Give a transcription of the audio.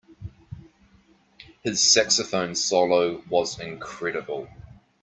His saxophone solo was incredible.